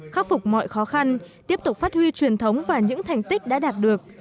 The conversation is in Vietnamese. khắc phục mọi khó khăn tiếp tục phát huy truyền thống và những thành tích đã đạt được